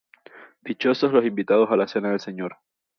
Dichosos los invitados a la cena del Señor.